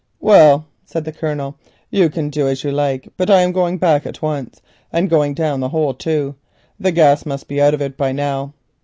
"Well," said the Colonel, "you can do as you like, but I'm going back at once, and going down the hole, too; the gas must be out of it by now.